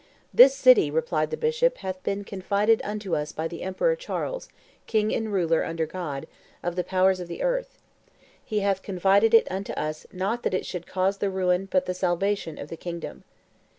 "This city," replied the bishop, "hath been confided unto us by the Emperor Charles, king and ruler, under God, of the powers of the earth. He hath confided it unto us not that it should cause the ruin but the salvation of the kingdom.